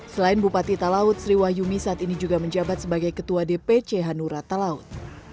selain bupati talaut sri wahyumi saat ini juga menjabat sebagai ketua dpc hanura talaut